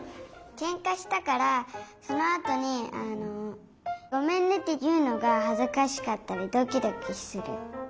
けんかしたからそのあとに「ごめんね」っていうのがはずかしかったりドキドキする。